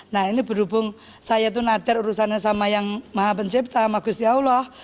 nah ini berhubung saya itu nader urusannya sama yang maha pencipta sama gusti allah